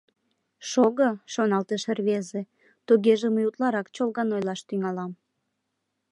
«Шого, — шоналтыш рвезе, — тугеже мый утларак чолган ойлаш тӱҥалам».